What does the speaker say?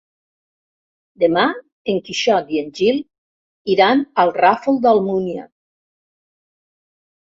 Demà en Quixot i en Gil iran al Ràfol d'Almúnia.